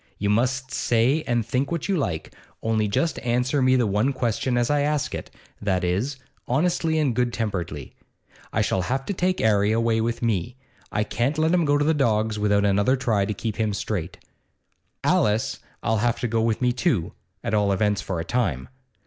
You must say and think what you like, only just answer me the one question as I ask it that is, honestly and good temperedly. I shall have to take 'Arry away with me; I can't let him go to the dogs without another try to keep him straight. Alice 'll have to go with me too, at all events for a time.